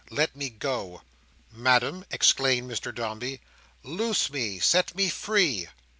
Let me go." "Madam?" exclaimed Mr Dombey. "Loose me. Set me free!"